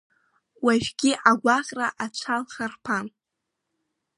Уажәгьы агәаҟра ацәа лхарԥан.